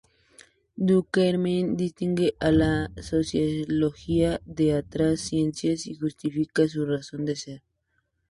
Durkheim distingue a la sociología de otras ciencias y justifica su razón de ser.